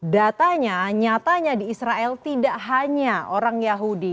datanya nyatanya di israel tidak hanya orang yahudi